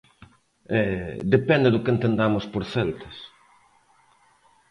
Depende do que entendamos por celtas.